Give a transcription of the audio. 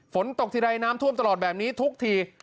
ฝนตกทีใดน้ำท่วมตลอดแบบนี้ทุกที